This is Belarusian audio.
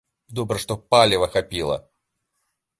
Добра, што паліва хапіла.